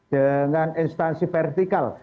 dengan instansi vertikal